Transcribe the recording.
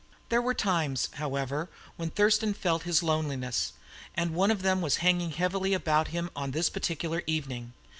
There were times, however, when Thurston felt his loneliness; and one of them was hanging heavily about him on this particular evening.